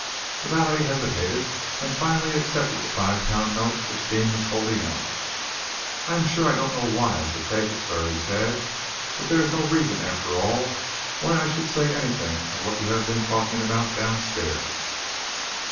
The valet hesitated, and finally accepted the five pound note which Deane was holding out. "I am sure I don't know why I should take it, sir," he said, "but there is no reason, after all, why I should say anything of what you have been talking about, downstairs."